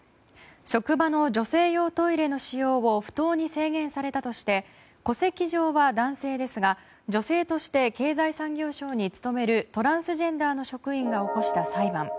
職場の女性用トイレの使用を不当に制限されたとして戸籍上は男性ですが女性として経済産業省に勤めるトランスジェンダーの職員が起こした裁判。